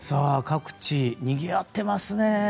各地、にぎわってますね。